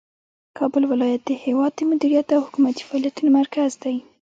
کابل ولایت د هیواد د مدیریت او حکومتي فعالیتونو مرکز دی.